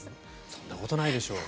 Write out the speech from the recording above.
そんなことないでしょう。